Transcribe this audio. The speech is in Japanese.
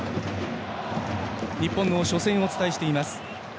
日本の初戦をお伝えしています。